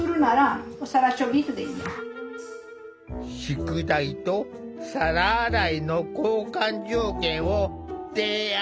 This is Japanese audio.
宿題と皿洗いの交換条件を提案。